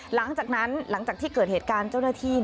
หลังจากนั้นหลังจากที่เกิดเหตุการณ์เจ้าหน้าที่